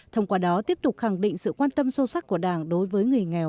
thông qua đó tiếp tục khẳng định sự quan tâm sâu sắc của đảng đối với người nghèo